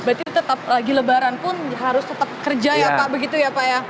berarti tetap lagi lebaran pun harus tetap kerja ya pak begitu ya pak ya